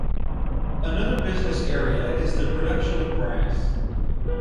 Another business area is the production of brass.